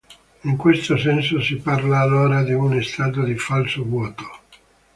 In questo senso si parla allora di uno stato di falso vuoto.